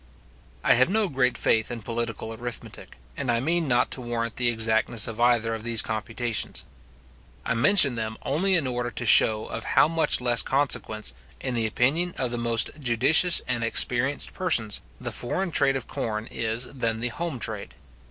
I have no great faith in political arithmetic, and I mean not to warrant the exactness of either of these computations. I mention them only in order to show of how much less consequence, in the opinion of the most judicious and experienced persons, the foreign trade of corn is than the home trade.